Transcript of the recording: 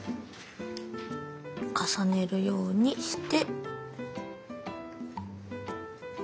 重ねるようにして。